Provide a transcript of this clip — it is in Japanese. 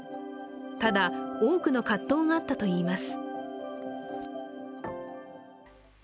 ただ、多くの葛藤があったといいます。